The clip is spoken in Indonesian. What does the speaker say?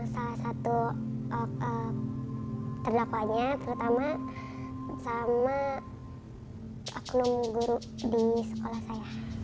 salah satu terdakwanya terutama sama oknum guru di sekolah saya